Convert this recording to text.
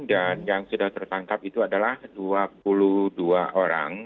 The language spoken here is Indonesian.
dan yang sudah tertangkap itu adalah dua puluh dua orang